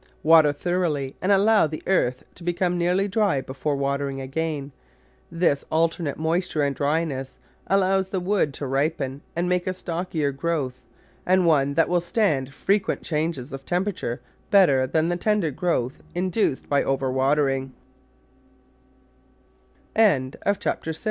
Water thor oughly and then allow the earth to become nearly dry before watering again; this alternate moisture and dryness allows the wood to ripen and make a stockier growth and one that will stand frequent changes of temperature better than the tender